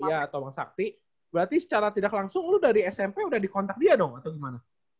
iya atau bang sakti berarti secara tidak langsung lu dari smp udah dikontak dia dong atau gimana